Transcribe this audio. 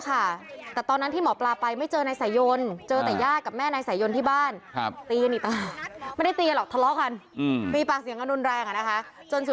แต่ตอนนั้นที่หมอปลาไปไม่เจอนายสายยนต์